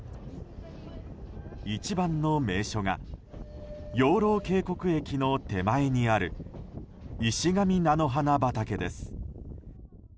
一番の名所が養老渓谷駅の手前にある石神菜の花畑です。